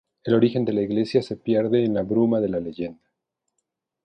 El origen de la iglesia se pierde en la bruma de la leyenda.